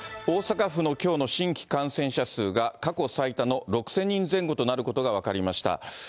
大阪府のきょうの新規感染者数が過去最多の６０００人前後となることが分かりました。